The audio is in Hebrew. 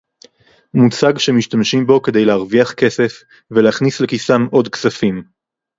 מוצג שמשתמשים בו כדי להרוויח כסף ולהכניס לכיסם עוד כספים